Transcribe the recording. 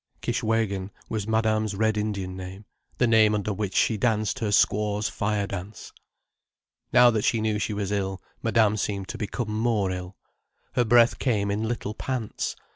Kishwégin was Madame's Red Indian name, the name under which she danced her Squaw's fire dance. Now that she knew she was ill, Madame seemed to become more ill. Her breath came in little pants.